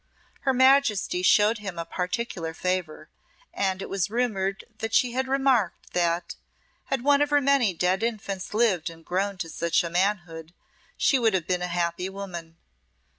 Her Majesty showed him a particular favour, and it was rumoured that she had remarked that, had one of her many dead infants lived and grown to such a manhood, she would have been a happy woman.